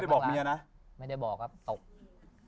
อันนี้ไม่ได้บอกเมียนะ